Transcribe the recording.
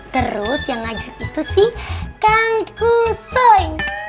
terus yang ngajar itu si kang kusoy